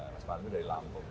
mas parlan itu dari lampung